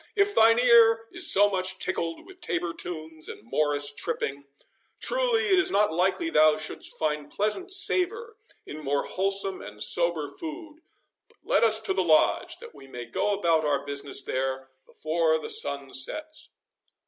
If thine ear is so much tickled with tabor tunes and morris tripping, truly it is not likely thou shouldst find pleasant savour in more wholesome and sober food. But let us to the Lodge, that we may go about our business there before the sun sets."